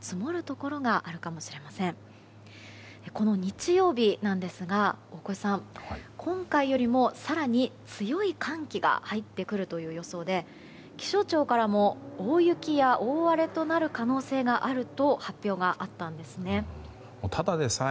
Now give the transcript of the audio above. この日曜日なんですが今回よりも更に強い寒気が入ってくるという予想で気象庁からも大雪や大荒れとなる可能性があると発表があったんですね。